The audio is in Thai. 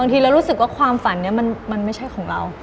ทีเรารู้สึกว่าความฝันนี้มันไม่ใช่ของเรา